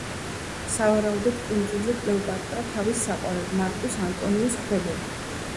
სავარაუდოდ კუნძულზე კლეოპატრა თავის საყვარელს, მარკუს ანტონიუსს ხვდებოდა.